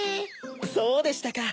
そうでしたか！